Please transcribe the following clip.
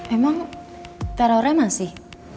emang terornya masih